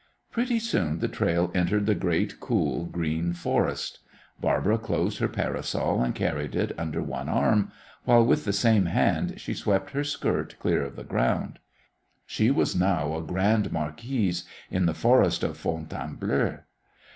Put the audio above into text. Pretty soon the trail entered the great, cool, green forest. Barbara closed her parasol and carried it under one arm, while with the same hand she swept her skirt clear of the ground. She was now a grande marquise in the Forest of Fontainebleau.